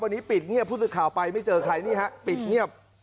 วันนี้ปิดเงียบผู้สื่อข่าวไปไม่เจอใครนี่ฮะปิดเงียบ